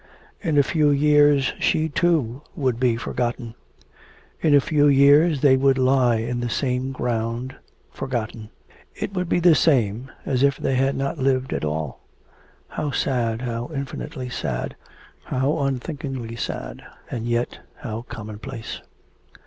In a few years she, too, would be forgotten; in a few years they would lie in the same ground forgotten; it would be the same as if they had not lived at all.... How sad, how infinitely sad, how unthinkingly sad, and yet how common place.